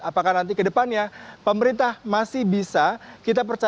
apakah nanti ke depannya pemerintah masih bisa mengajukan hingga disini